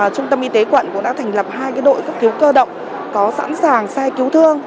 trung tâm y tế quận cũng đã thành lập hai đội cấp cứu cơ động có sẵn sàng xe cứu thương